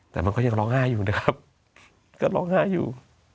แต่มันก็ยังร้องไห้อยู่ร้องไห้อยู่